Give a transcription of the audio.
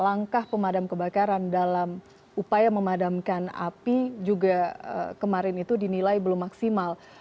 langkah pemadam kebakaran dalam upaya memadamkan api juga kemarin itu dinilai belum maksimal